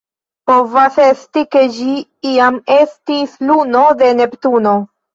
Povas esti, ke ĝi iam estis luno de Neptuno.